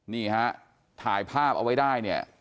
นี่ฮะถ่ายภาพเอาไว้ได้เนี่ย